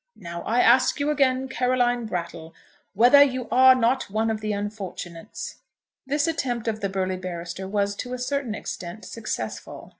Now I ask you again, Caroline Brattle, whether you are not one of the unfortunates?" This attempt of the burly barrister was to a certain extent successful.